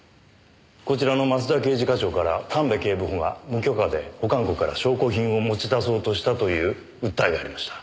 こちらの益田刑事課長から神戸警部補が無許可で保管庫から証拠品を持ち出そうとしたという訴えがありました。